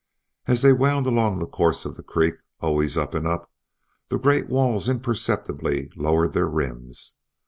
As they wound along the course of the creek, always up and up, the great walls imperceptibly lowered their rims.